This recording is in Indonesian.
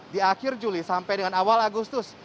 di akhir juli sampai dengan awal agustus